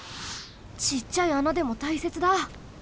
ちっちゃい穴でもたいせつだ！